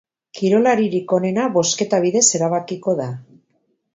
Kirolaririk onena bozketa bidez erabakiko da.